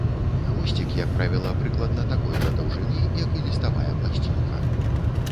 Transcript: Хвосцік, як правіла, прыкладна такой жа даўжыні, як і ліставая пласцінка.